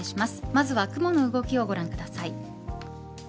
まずは雲の動きをご覧ください。